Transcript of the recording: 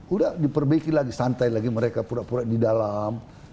udah diperbaiki lagi santai lagi mereka pura pura di dalam